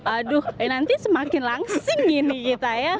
aduh nanti semakin langsing ini kita ya